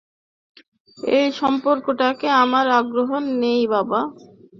এই সম্পর্কটাতে আমার আগ্রহ নেই, বাবা।